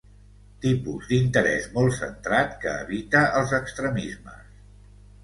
Tipus d'interès molt centrat, que evita els extremismes.